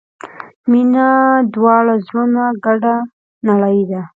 • مینه د دواړو زړونو ګډه نړۍ ده.